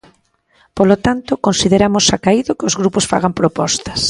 Polo tanto, consideramos acaído que os grupos fagan propostas.